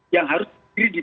yang harus berdiri di